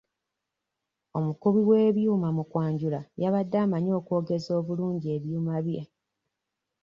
Omukubi w'ebyuma mu kwanjula yabadde amanyi okwogeza obulungi ebyuma bye.